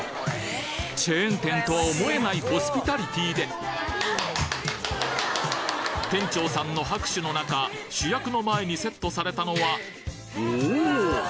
チェーン店とは思えないホスピタリティーで店長さんの拍手の中主役の前にセットされたのはおお！